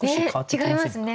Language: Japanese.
違いますね。